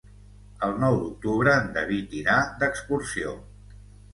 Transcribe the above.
El nou d'octubre en David irà d'excursió.